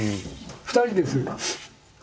２人です。